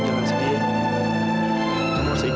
kan masih ada ayah